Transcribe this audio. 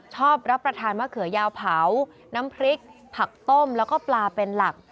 ชอบรับประทานมะเขือยาวเผาน้ำพริกผักต้มแล้วก็ปลาเป็นหลัก